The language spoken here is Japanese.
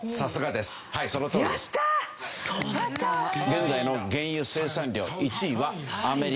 現在の原油生産量１位はアメリカ。